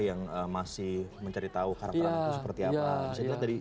yang masih mencari tahu karakternya itu seperti apa